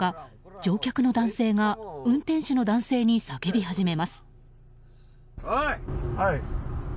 乗客の男性が運転手の男性に叫び始めます。